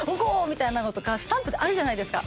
みたいなのとかスタンプであるじゃないですか。